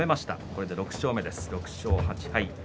これで６勝目、６勝８敗。